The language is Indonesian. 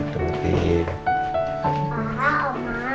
pak om ma pak farah